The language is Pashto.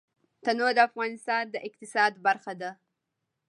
تنوع د افغانستان د اقتصاد برخه ده.